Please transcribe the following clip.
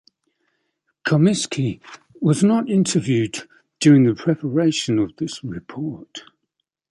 Comiskey was not interviewed during the preparation of this report.